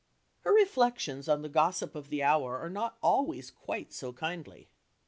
Her reflections on the gossip of the hour are not always quite so kindly.